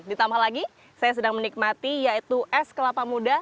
ditambah lagi saya sedang menikmati yaitu es kelapa muda